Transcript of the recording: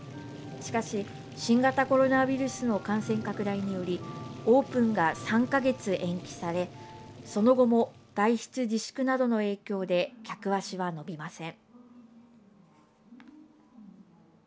しかし、新型コロナウイルスの感染拡大によりオープンが３か月延期されその後も外出自粛などの影響で客足は伸びません。